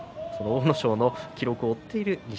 阿武咲の記録を追っている錦